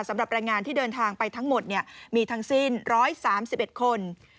สำหรับแรงงานที่เดินทางไปทั้งหมดมีทั้งสิ้น๑๓๑คน